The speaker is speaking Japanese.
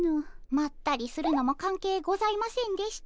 まったりするのも関係ございませんでした。